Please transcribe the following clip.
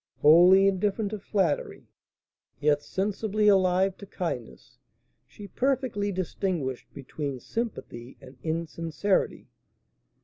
Wholly indifferent to flattery, yet sensibly alive to kindness, she perfectly distinguished between sympathy and insincerity.